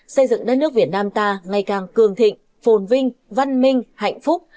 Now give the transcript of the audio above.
xây dựng đất nước việt nam ta ngày càng cường thịnh phồn vinh văn minh hạnh phúc